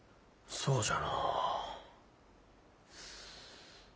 そうじゃ。